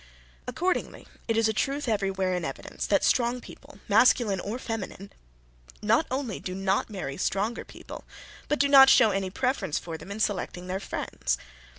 Accordingly, it is a truth everywhere in evidence that strong people, masculine or feminine, not only do not marry stronger people, but do not show any preference for them in selecting their friends.